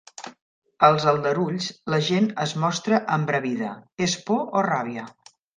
Als aldarulls, la gent es mostra embravida: és por o ràbia?